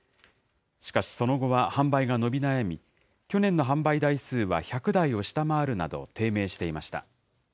しかしその後は販売が伸び悩み、去年の販売台数は１００台を下回るなど、低迷していました。